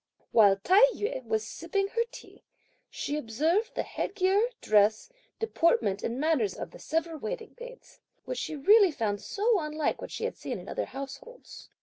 While Tai yü was sipping her tea, she observed the headgear, dress, deportment and manners of the several waiting maids, which she really found so unlike what she had seen in other households.